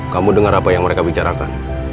kamu dengar apa yang mereka bicarakan